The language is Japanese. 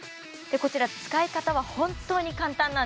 こちら使い方は本当に簡単なんです